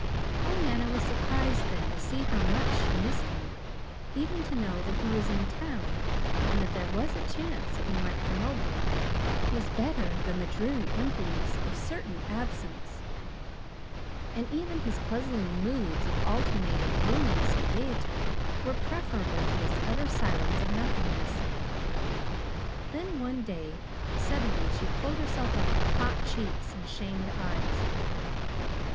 Pollyanna was surprised then to see how much she missed him. Even to know that he was in town, and that there was a chance that he might come over, was better than the dreary emptiness of certain absence; and even his puzzling moods of alternating gloominess and gayety were preferable to this utter silence of nothingness. Then, one day, suddenly she pulled herself up with hot cheeks and shamed eyes.